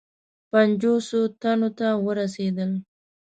پنجوسو تنو ته ورسېدل.